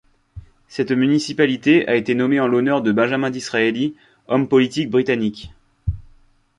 Cette municipalité a été nommée en l'honneur de Benjamin Disraeli, homme politique britannique.